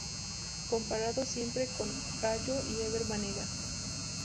Comparado siempre con Gago y Ever Banega.